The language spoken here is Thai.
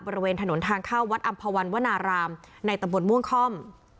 บริเวณถนนทางเข้าวัดอำภาวันวนารามในตำบลม่วงค่อม